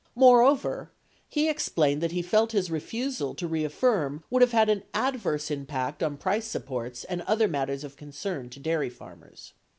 1 Moreover, he explained that he felt his refusal to reaffirm would have had an adverse impact on price supports and other matters of concern to dairy farmers.